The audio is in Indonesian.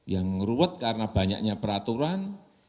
yang ngeruwet karena banyaknya peraturan